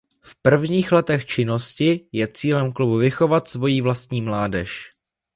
V prvních letech činnosti je cílem klubu vychovat svojí vlastní mládež.